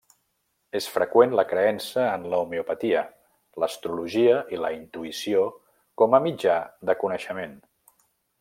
És freqüent la creença en l'homeopatia, l'astrologia i la intuïció com a mitjà de coneixement.